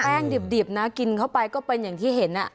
ดิบนะกินเข้าไปก็เป็นอย่างที่เห็น